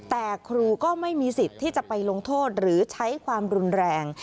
แต่ครูก็ไม่มีสิทธิ์ที่จะไปลงโทษหรือใช้ความรุนแรง